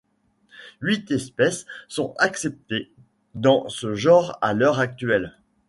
Huit espèces sont acceptées dans ce genre à l'heure actuelle.